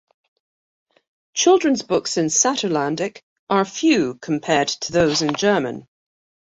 Children's books in Saterlandic are few compared to those in German.